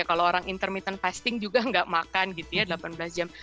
kalau orang intermittent fasting juga nggak makan gitu ya delapan belas jam